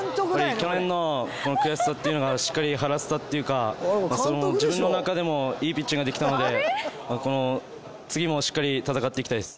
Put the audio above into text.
去年の悔しさっていうのをしっかり晴らせたっていうか自分の中でもいいピッチングができたのでこの次もしっかり戦っていきたいです。